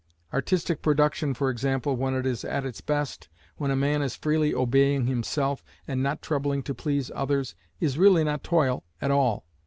Artistic production, for example, when it is at its best, when a man is freely obeying himself, and not troubling to please others, is really not toil at all.